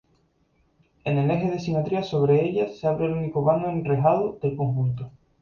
En eje de simetría, sobre ella se abre el único vano enrejado del conjunto.